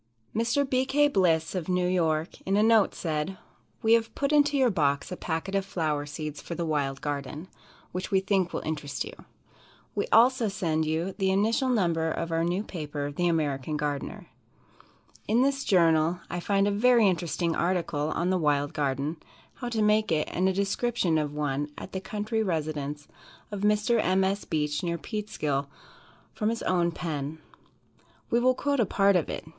Mr. B. K. Bliss, of New York, in a note, said: "We have put into your box a packet of flower seeds for the wild garden, which we think will interest you. We also send you the initial number of our new paper, "The American Garden." In this journal I find a very interesting article on "The Wild Garden," how to make it, and a description of one at the country residence of Mr. M. S. Beach, near Peekskill, from his own pen. We will quote a part of it.